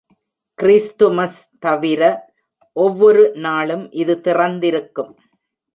Christmas தவிர, ஒவ்வொரு நாளும் இது திறந்திருக்கும்.